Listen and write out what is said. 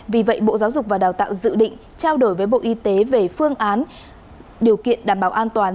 vì vậy bộ giáo dục và đào tạo dự định trao đổi với bộ y tế về phương án điều kiện đảm bảo an toàn